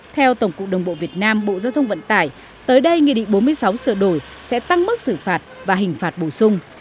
theo tổng cục đồng bộ việt nam bộ giao thông vận tải tới đây nghị định bốn mươi sáu sửa đổi sẽ tăng mức xử phạt và hình phạt bổ sung